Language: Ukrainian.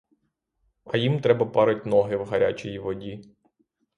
А їм треба парить ноги в гарячій воді.